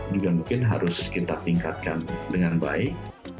juga mungkin harus kita tingkatkan dengan baik